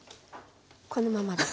このままです。